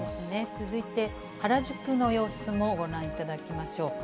続いて、原宿の様子もご覧いただきましょうか。